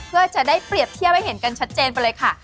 เพื่อจะได้เปรียบเทียบให้เห็นกันชัดเจนไปเลยค่ะ